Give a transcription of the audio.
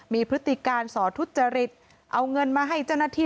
มีพฤติการสอทุจริตเอาเงินมาให้เจ้าหน้าที่